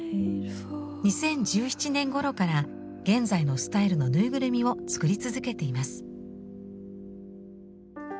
２０１７年ごろから現在のスタイルのぬいぐるみを作り続けています。